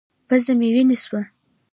پزه مې وينې سوه.